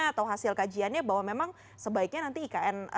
atau hasil kajiannya bahwa memang sebaiknya nanti ikn